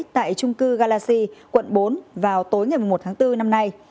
tại trung cư galaxy quận bốn vào tối một mươi một tháng bốn năm nay